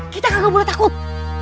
kita nggak boleh takut